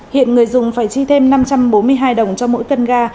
hiện người dùng phải chi thêm năm trăm bốn mươi hai đồng cho mỗi cân ga